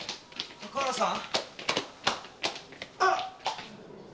高原さん。